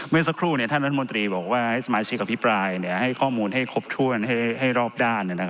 เมื่อสักครู่ท่านรัฐมนตรีบอกว่าให้สมาชิกอภิปรายให้ข้อมูลให้ครบถ้วนให้รอบด้าน